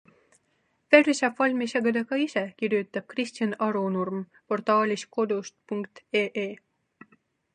Värvi saab valmi segada ka ise, kirjutab Kristjan Arunurm portaalis kodus.ee.